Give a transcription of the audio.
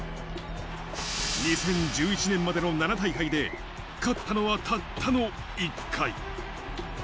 ２０１１年までの７大会で勝ったのはたったの１回。